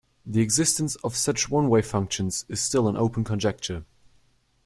The existence of such one-way functions is still an open conjecture.